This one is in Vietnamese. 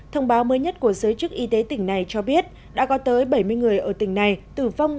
thông báo mới nhất của giới chức y tế tỉnh này cho biết đã có tới bảy mươi người ở tỉnh này tử vong